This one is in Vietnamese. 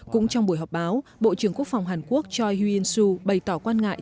cũng trong buổi họp báo bộ trưởng quốc phòng hàn quốc choi hu in su bày tỏ quan ngại